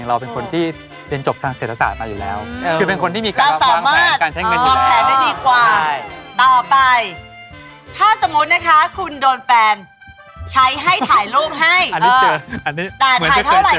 เขาไม่ถูกใจเธอซักทีแต่ถ้าเป็นอย่างไรเออ